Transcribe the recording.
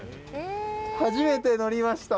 初めて乗りました。